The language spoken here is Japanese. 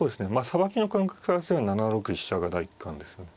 さばきの感覚からすれば７六飛車が第一感ですね。